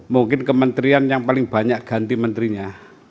mungkin kementerian yang paling banyak ganti menterinya